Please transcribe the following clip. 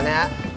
ini aja meneh